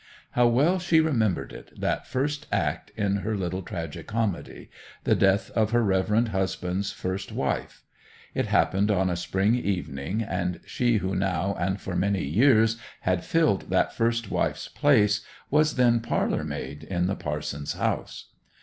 How well she remembered it, that first act in her little tragi comedy, the death of her reverend husband's first wife. It happened on a spring evening, and she who now and for many years had filled that first wife's place was then parlour maid in the parson's house.